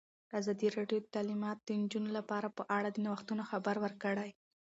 ازادي راډیو د تعلیمات د نجونو لپاره په اړه د نوښتونو خبر ورکړی.